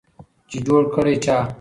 چي جوړ کړی چا